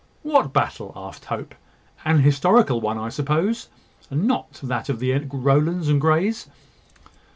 "What battle?" asked Hope. "An historical one, I suppose, and not that of the Rowlands and Greys.